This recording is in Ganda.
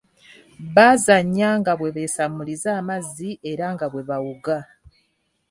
Baazanya nga bwe beesammuliza amazzi era nga bwe bawuga.